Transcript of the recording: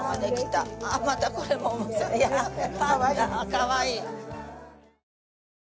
かわいい。